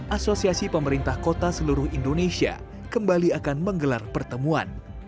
asosiasi pemerintah kota seluruh indonesia kembali akan menggelar pertemuan